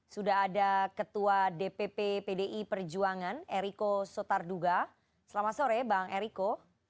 sudah ada ketua dpp pdi perjuangan eriko sotarduga selamat sore bang eriko